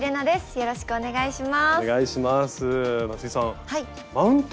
よろしくお願いします。